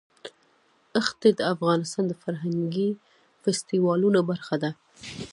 ښتې د افغانستان د فرهنګي فستیوالونو برخه ده.